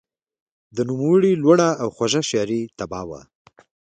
د نوموړي لوړه او خوږه شعري طبعه وه.